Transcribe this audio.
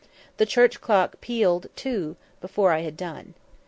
The church clock pealed out two before I had done.